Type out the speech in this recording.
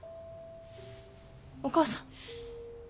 お母さん。